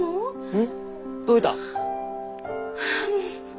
うん。